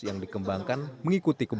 yang dikembangkan mengikuti kurikulumnya